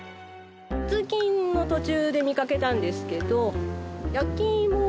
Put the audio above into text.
通勤の途中で見かけたんですけど。